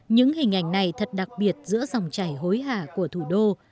những hình ảnh này thật đặc biệt giữa dòng chảy hối hạ của thủ đô